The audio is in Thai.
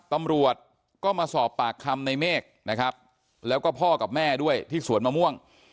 ตำรวจก็มาสอบปากคำในเมฆนะครับแล้วก็พ่อกับแม่ด้วยที่สวนมะม่วง